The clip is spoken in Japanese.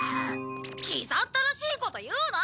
キザったらしいこと言うな！